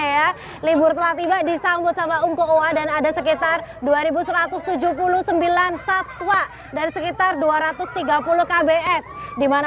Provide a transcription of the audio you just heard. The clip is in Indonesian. ya libur telah tiba disambut sama ungko owa dan ada sekitar dua ribu satu ratus tujuh puluh sembilan satwa dari sekitar dua ratus tiga puluh kbs dimana